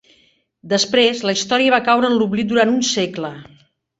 Després, la història va caure en l'oblit durant un segle.